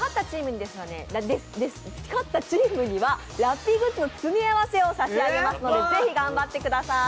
勝ったチームにはラッピーグッズの詰め合わせを差し上げますのでぜひ頑張ってください。